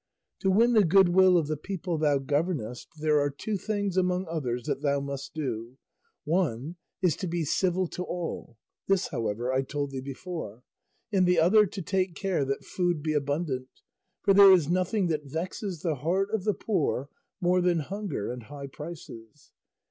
To win the good will of the people thou governest there are two things, among others, that thou must do; one is to be civil to all (this, however, I told thee before), and the other to take care that food be abundant, for there is nothing that vexes the heart of the poor more than hunger and high prices.